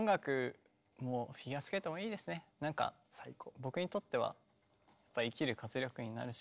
僕にとってはやっぱ生きる活力になるし。